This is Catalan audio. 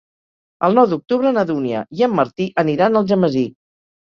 El nou d'octubre na Dúnia i en Martí aniran a Algemesí.